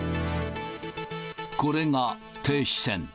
これが停止線。